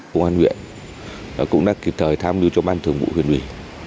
công an huyện cũng đã kịp thời tham mưu cho ban thường vụ huyện ủy